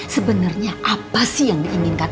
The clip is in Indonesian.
sebenarnya apa sih yang diinginkan